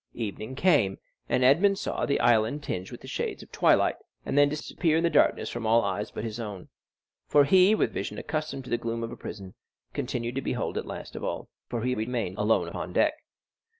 0285m Evening came, and Edmond saw the island tinged with the shades of twilight, and then disappear in the darkness from all eyes but his own, for he, with vision accustomed to the gloom of a prison, continued to behold it last of all, for he remained alone upon deck.